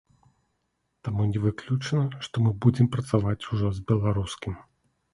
Таму не выключана, што мы будзем працаваць ужо з беларускім.